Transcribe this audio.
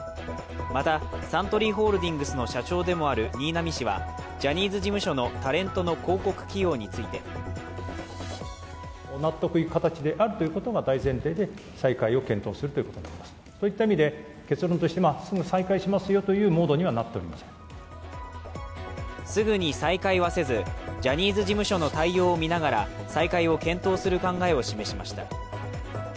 また、サントリーホールディングスの社長でもある新浪氏はジャニーズ事務所のタレントの広告起用についてすぐに再開はせず、ジャニーズ事務所の対応を見ながら女性）